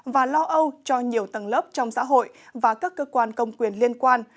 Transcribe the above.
và lo âu cho nhiều tầng lớp trong xã hội và các cơ quan công quyền liên quan